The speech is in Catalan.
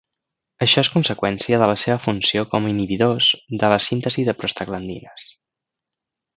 Això és conseqüència de la seva funció com inhibidors de la síntesi de prostaglandines.